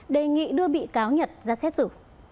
đề nghị đưa bị cáo nhật ra xét xử